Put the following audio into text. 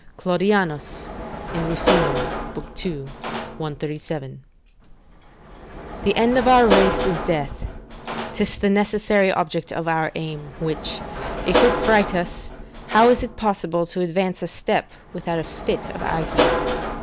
Claudianus, in Ruf., ii. 137.] The end of our race is death; 'tis the necessary object of our aim, which, if it fright us, how is it possible to advance a step without a fit of ague?